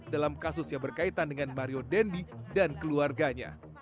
dalam kasus yang berkaitan dengan mario dendi dan keluarganya